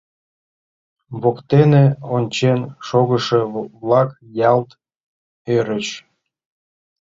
Воктене ончен шогышо-влак ялт ӧрыч.